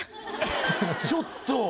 ちょっと。